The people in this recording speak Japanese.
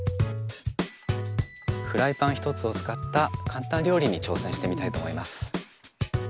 フライパン１つを使った簡単料理に挑戦してみたいと思います。